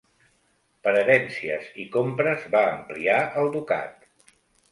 Per herències i compres, va ampliar el ducat.